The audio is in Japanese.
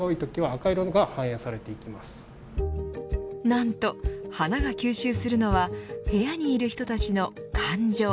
なんと、花が吸収するのは部屋にいる人たちの感情。